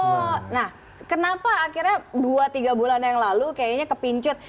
oh nah kenapa akhirnya dua tiga bulan yang lalu kayaknya kepincut